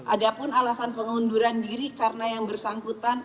ada pun alasan pengunduran diri karena yang bersangkutan